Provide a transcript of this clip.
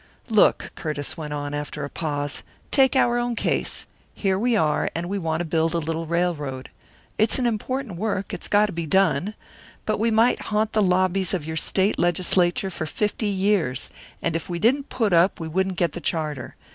"Look," Curtiss went on, after a pause, "take our own case. Here we are, and we want to build a little railroad. It's an important work; it's got to be done. But we might haunt the lobbies of your State legislature for fifty years, and if we didn't put up, we wouldn't get the charter.